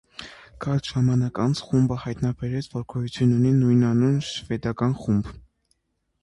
Կարճ ժամանակ անց խումբը հայտնաբերեց, որ գոյություն ունի նույնանուն շվեդական խումբ։